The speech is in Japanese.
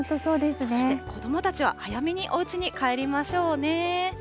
そして子どもたちは早めにおうちに帰りましょうね。